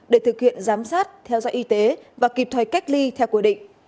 để thực hiện giám sát theo dõi y tế và kịp thời cách ly theo quy định